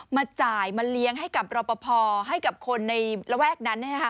มาจ่ายมาเลี้ยงให้กับรอปภให้กับคนในระแวกนั้น